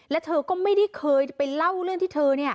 และเธอก็ไม่ได้เคยไปเล่าเรื่องที่เธอ